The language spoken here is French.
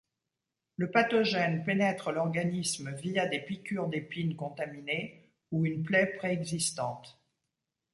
Le pathogène pénètre l'organisme via des piqûres d'épines contaminées ou une plaie préexistante.